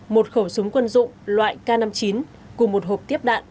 một khẩu súng quân dụng loại k năm mươi chín cùng một hộp tiếp đạn